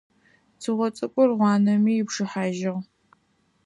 Цыгъо цӏыкӏур, гъуанэми ипшыхьажьыгъ.